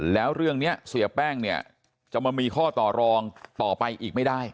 แล้วเรื่องนี้เสียแป้งเนี่ยจะมามีข้อต่อรองต่อไปอีกไม่ได้